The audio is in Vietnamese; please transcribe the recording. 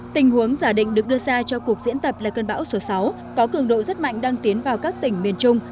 tình huống giả định được đưa ra cho cuộc diễn tập là cơn bão số sáu có cường độ rất mạnh đang tiến vào các tỉnh miền trung